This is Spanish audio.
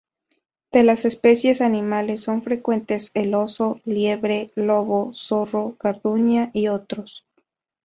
De las especies animales son frecuentes el oso, liebre, lobo, zorro, garduña, y otros.